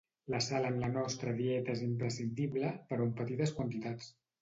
La sal en la nostra dieta és imprescindible, però en petites quantitats.